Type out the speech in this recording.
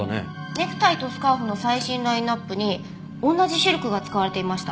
ネクタイとスカーフの最新ラインアップに同じシルクが使われていました。